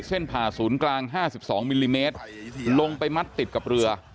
ผ่าศูนย์กลาง๕๒มิลลิเมตรลงไปมัดติดกับเรือ